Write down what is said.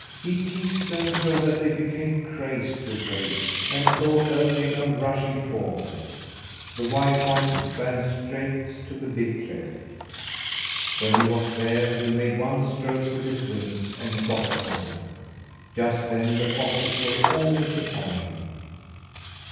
He teased them so that they became crazed with rage and thought only of rushing forward. The white one ran right straight to the big cleft. When he was there, he made one stroke with his wings, and got over. Just then the foxes were almost upon him.